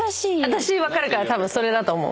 私分かるからそれだと思う。